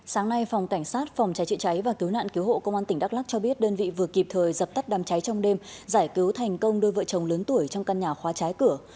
sáng nay phòng cảnh sát phòng trái trị trái và cứu nạn cứu hộ công an tỉnh đắk lắc cho biết đơn vị vừa kịp thời dập tắt đàm trái trong đêm giải cứu thành công đôi vợ chồng lớn tuổi trong căn nhà khóa trái cửa